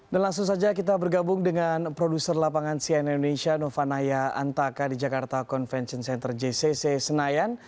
dan langsung saja kita bergabung dengan produser lapangan cna indonesia novanaya antaka di jakarta convention center jcc senayan